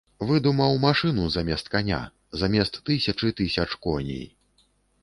Выдумаў машыну замест каня, замест тысячы тысяч коней.